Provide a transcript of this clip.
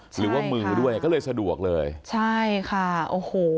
หรือว่ามือด้วยก็เลยสะดวกเลยใช่ค่ะโอ้โห